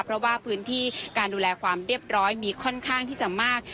เพราะว่าพื้นที่การดูแลความเรียบร้อยมีค่อนข้างที่จะมาก